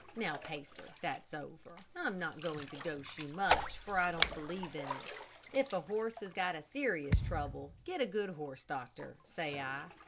Now, Pacer, that's over. I'm not going to dose you much, for I don't believe in it. If a horse has got a serious trouble, get a good horse doctor, say I.